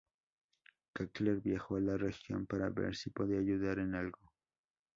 Cartier viajó a la región para ver si podía ayudar en algo.